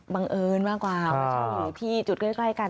บังเอิญมากกว่าผู้เสียชีวิตอยู่ที่จุดใกล้กัน